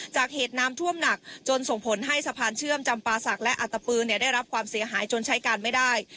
เหตุน้ำท่วมหนักจนส่งผลให้สะพานเชื่อมจำปาศักดิ์และอัตปืนได้รับความเสียหายจนใช้การไม่ได้